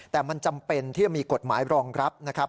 แต่มันจำเป็นที่จะมีกฎหมายรองรับนะครับ